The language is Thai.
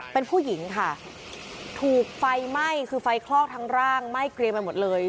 เป็นผู้หญิงค่ะถูกไฟไหม้คือไฟคลอกทั้งร่างไหม้เกรียมไปหมดเลย